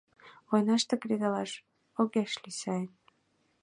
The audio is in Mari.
Войнаште кредалаш... огеш лий сайын...